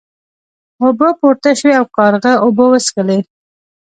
اوبه پورته شوې او کارغه اوبه وڅښلې.